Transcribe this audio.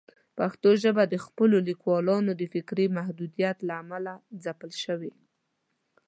پښتو ژبه د خپلو لیکوالانو د فکري محدودیت له امله ځپل شوې.